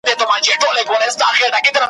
په لومړۍ شپه وو خپل خدای ته ژړېدلی ,